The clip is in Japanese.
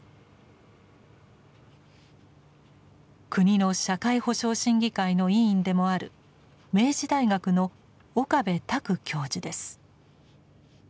国の社会保障審議会の委員でもある明治大学の岡部卓教授です。